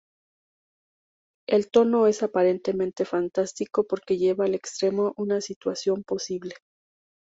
El tono es aparentemente fantástico porque lleva al extremo una situación posible.